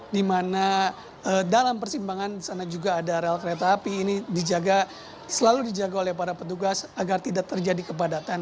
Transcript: di mana dalam persimpangan di sana juga ada rel kereta api ini selalu dijaga oleh para petugas agar tidak terjadi kepadatan